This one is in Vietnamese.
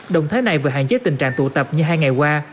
động thái này vừa hạn chế tình trạng tụ tập như hai ngày qua